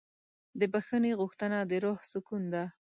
د بښنې غوښتنه د روح سکون ده.